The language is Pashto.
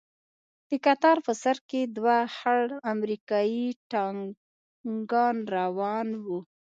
د کتار په سر کښې دوه خړ امريکايي ټانگان روان وو.